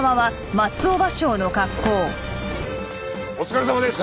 お疲れさまです！